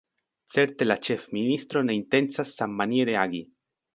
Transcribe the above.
Certe la ĉefministro ne intencas sammaniere agi.